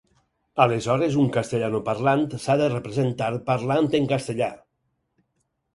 Aleshores, un castellanoparlant s'ha de representar parlant en castellà.